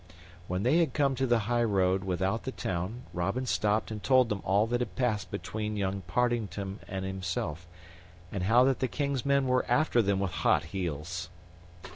When they had come to the highroad without the town, Robin stopped and told them all that had passed between young Partington and himself, and how that the King's men were after them with hot heels.